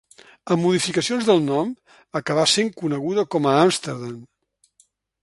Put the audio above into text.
Amb modificacions del nom, acabà sent coneguda com a Amsterdam.